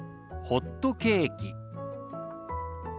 「ホットケーキ」。